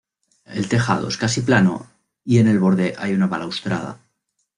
El tejado es casi plano, y en el borde hay una balaustrada.